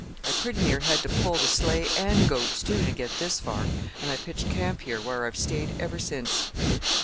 I pretty near had to pull sleigh and goats too to get this far; and I pitched camp here, where I've stayed ever since.